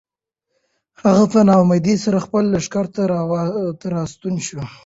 هغه په ناامیدۍ سره خپل لښکر ته راستون شو.